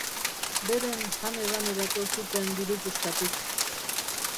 Beren jan-edanerako zuten diru puskatik.